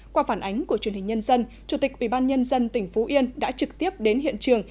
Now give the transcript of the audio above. qua phản ánh của truyền hình nhân dân chủ tịch ubnd tỉnh phú yên đã trực tiếp đến hiện trường